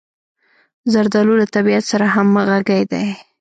زردالو له طبعیت سره همغږې ده.